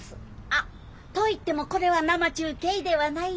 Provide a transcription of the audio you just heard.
あっと言ってもこれは生中継ではないよ。